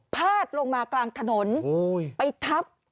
พาดลงมากลางถนนไปทับ